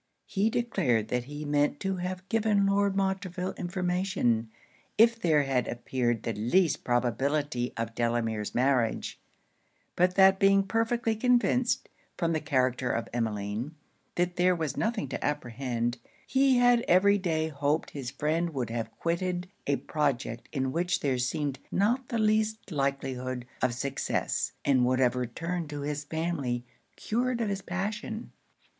He declared that he meant to have given Lord Montreville information, if there had appeared the least probability of Delamere's marriage; but that being perfectly convinced, from the character of Emmeline, that there was nothing to apprehend, he had every day hoped his friend would have quitted a project in which there seemed not the least likelihood of success, and would have returned to his family cured of his passion.